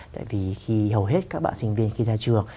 tại vì khi hầu hết các bạn sinh viên khi ra trường